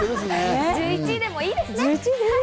１１位でいいです。